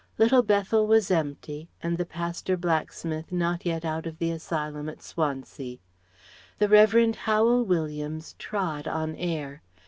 Little Bethel was empty, and the pastor blacksmith not yet out of the asylum at Swansea. The Revd. Howel Williams trod on air.